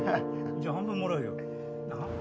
じゃあ半分もらうよ。